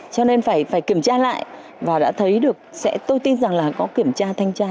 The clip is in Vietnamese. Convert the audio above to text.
cho nên phải kiểm tra lại và đã thấy được tôi tin rằng là có kiểm tra thanh tra